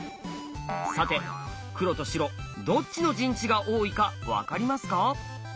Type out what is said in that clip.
さて黒と白どっちの陣地が多いか分かりますか？